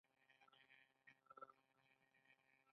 غنم اصلي کرنیز محصول دی